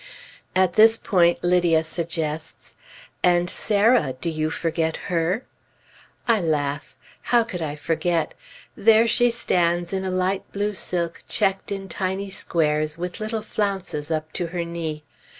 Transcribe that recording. At this point, Lydia suggests, "And Sarah, do you forget her?" I laugh; how could I forget? There she stands in a light blue silk checked in tiny squares, with little flounces up to her knee.